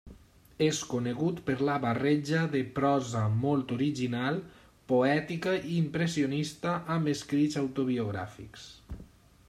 És conegut per la barreja de prosa molt original, poètica i impressionista amb escrits autobiogràfics.